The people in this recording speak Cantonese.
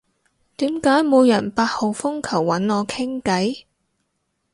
點解冇人八號風球搵我傾偈？